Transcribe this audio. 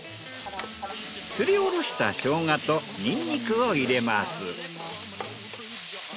すりおろしたショウガとニンニクを入れます。